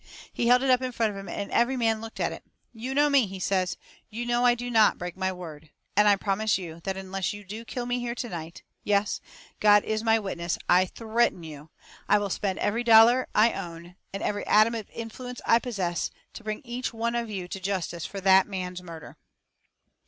He held it up in front of him and every man looked at it. "You know me," he says. "You know I do not break my word. And I promise you that unless you do kill me here tonight yes, as God is my witness, I THREATEN you I will spend every dollar I own and every atom of influence I possess to bring each one of you to justice for that man's murder."